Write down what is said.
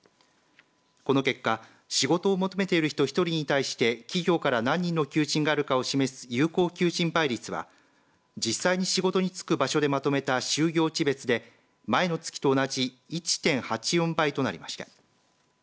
この結果、仕事を求めている人１人に対して企業から何人の求人があるかを示す有効求人倍率は実際に仕事に就く場所でまとめた就業地別で前の月と同じ１．８４倍となりました。